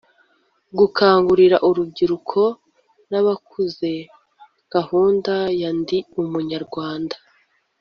Gukangurira urubyiruko n abakuze gahunda ya ndi umunyarwanda